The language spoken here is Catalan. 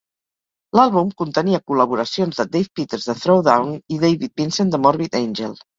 L'àlbum contenia col·laboracions de Dave Peters de Throwdown i David Vincent de Morbid Angel.